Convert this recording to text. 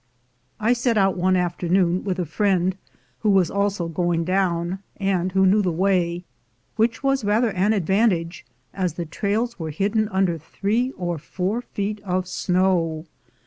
I set out one afternoon with a friend who was also going down, and who knew the way, which was rather an advantage, as the trails were hidden under three or four feet of snow.